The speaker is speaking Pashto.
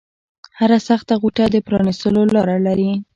هره سخته غوټه د پرانیستلو لاره لري